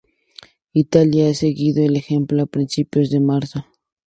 Italia ha seguido el ejemplo a principios de marzo.